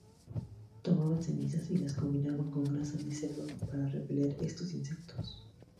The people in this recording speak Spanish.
Tomaban cenizas y las combinaban con grasa de cerdo para repeler a estos insectos.